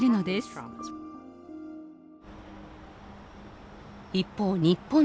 一方日本では。